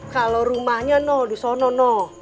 kalau rumahnya neng disana neng